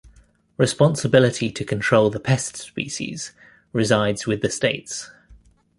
Responsibility to control the pest species resides with the states.